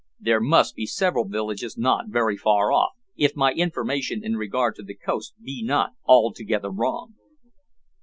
There must be several villages not very far off, if my information in regard to the coast be not altogether wrong."